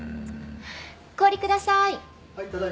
氷くださーい！